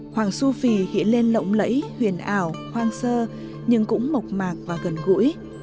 hoàng su phi hiện lên lộng lẫy huyền ảo hoang sơ nhưng cũng mộc mạc và gần gũi